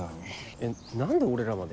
えっ何で俺らまで。